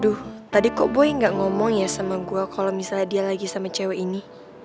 aduh tadi kok boy gak ngomong ya sama gue kalau misalnya dia lagi sama cewek ini